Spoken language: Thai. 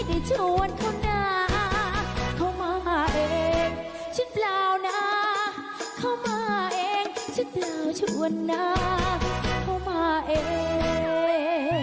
เห็นแบบนี้เราก็ชื่นใจ